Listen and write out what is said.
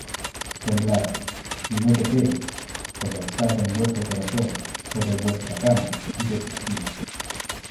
Temblad, y no pequéis: Conversad en vuestro corazón sobre vuestra cama, y desistid.